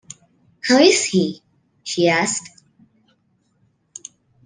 “How is he?” she asked.